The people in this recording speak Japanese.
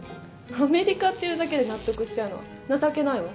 アメリカっていうだけで納得しちゃうのは情けないわ。